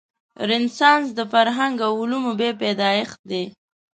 رنسانس د فرهنګ او علومو بیا پیدایښت دی.